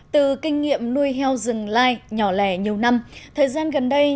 từ kinh nghiệm nuôi heo rừng lai nhỏ lẻ nhiều năm thời gian gần đây